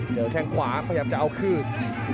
แข้งขวาพยายามจะเอาคืน